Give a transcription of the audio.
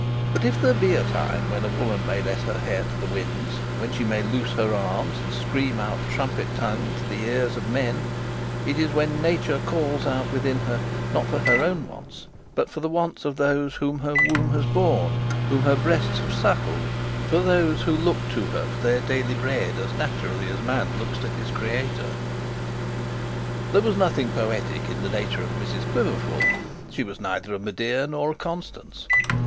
But if there be a time when a woman may let her hair to the winds, when she may loose her arms, and scream out trumpet tongued to the ears of men, it is when nature calls out within her not for her own wants, but for the wants of those whom her womb has borne, whom her breasts have suckled, for those who look to her for their daily bread as naturally as man looks to his Creator. There was nothing poetic in the nature of Mrs Quiverful. She was neither a Medea nor a Constance.